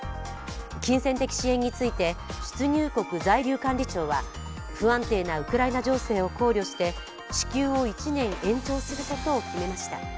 金銭的支援について、出入国在留管理庁は不安定なウクライナ情勢を考慮して、支給を１年延長することを決めました。